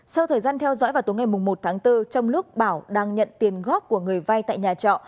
sau thời gian theo dõi vào tối ngày một tháng bốn trong lúc bảo đang nhận tiền góp của người vay tại nhà trọ